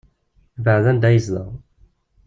Yebɛed anda yezdeɣ.